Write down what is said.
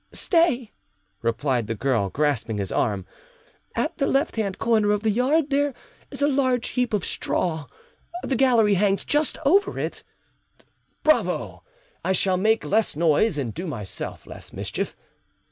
"Stay," replied the girl, grasping his arm; "at the left hand corner of the yard there is a large heap of straw, the gallery hangs just over it—" "Bravo! I shall make less noise, and do myself less mischief."